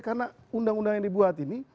karena undang undang yang dibuat ini